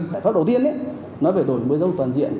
tài pháp đầu tiên nói về tổng môi dấu toàn diện